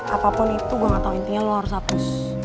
apapun itu gue gak tau intinya lo harus hapus